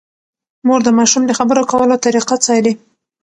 مور د ماشوم د خبرو کولو طریقه څاري۔